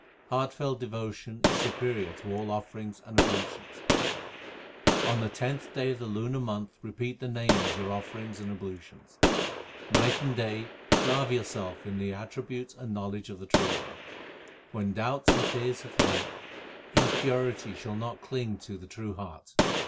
Heartfelt devotion is superior to all offerings and ablutions : On the tenth day of the lunar month repeat the Name as your offerings and ablutions. Night and day lave yourselves in the attributes and knowledge of the True One. 348 THE SIKH RELIGION When doubts and fears have fled, impurity shall not cling toj:he true heart.